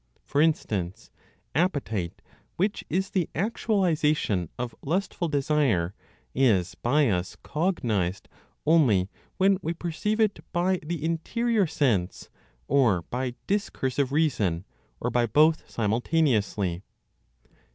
For instance, appetite, which is the actualization of lustful desire, is by us cognized only when we perceive it by the interior sense or by discursive reason, or by both simultaneously.